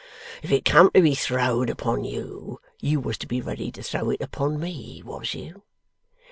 If it come to be throw'd upon you, you was to be ready to throw it upon me, was you?